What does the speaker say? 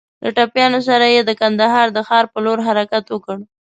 له ټپيانو سره يې د کندهار د ښار په لور حرکت وکړ.